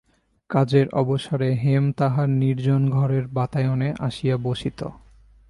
কাজের অবসরে হেম তাহার নির্জন ঘরের বাতায়নে আসিয়া বসিত।